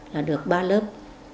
là được ba lớp